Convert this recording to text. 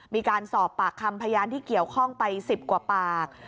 มีการสอบปากคำพยานที่เกี่ยวข้องไป๑๐กว่าปาก